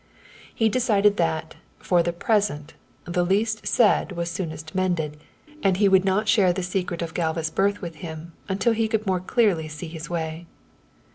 He decided that, for the present, the least said was soonest mended, and he would not share the secret of Galva's birth with him until he could more clearly see his way.